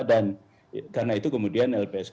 dan karena itu kemudian lpsk